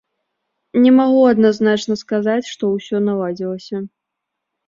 Не магу адназначна сказаць, што ўсё наладзілася.